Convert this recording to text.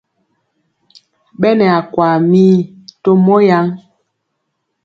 Ɓɛ nɛ akwaa mii to mɔ yaŋ.